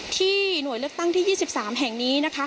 หน่วยเลือกตั้งที่๒๓แห่งนี้นะคะ